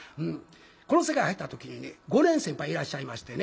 この世界入った時にね５年先輩いらっしゃいましてね。